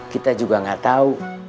kita juga nggak tahu